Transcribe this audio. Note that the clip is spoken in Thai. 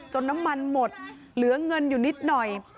น้ำมันหมดเหลือเงินอยู่นิดหน่อย